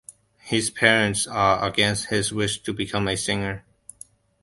His parents are against his wish to become a singer.